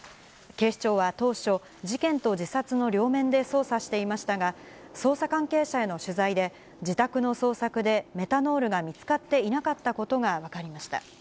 警視庁は当初、事件と自殺の両面で捜査していましたが、捜査関係者への取材で、自宅の捜索でメタノールが見つかっていなかったことが分かりました。